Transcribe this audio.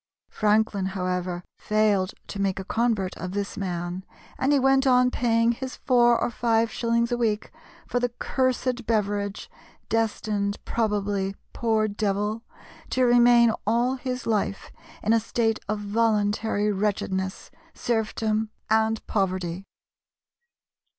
Franklin, however, failed to make a convert of this man, and he went on paying his four or five shillings a week for the "cursed beverage," destined probably, poor devil, to remain all his life in a state of voluntary wretchedness, serfdom, and poverty.